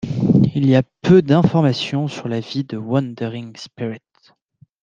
Il y a peu d'informations sur la vie de Wandering Spirit.